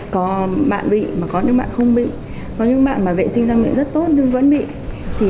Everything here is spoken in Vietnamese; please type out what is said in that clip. có bạn bị mà có những bạn không bị có những bạn mà vệ sinh ra miệng rất tốt nhưng vẫn bị